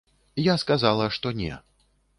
Я сказала, што не.